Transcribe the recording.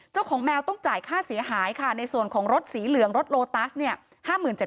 เจ้าของแมวต้องจ่ายค่าเสียหายค่ะในส่วนของรถสีเหลืองรถโลตัสเนี่ย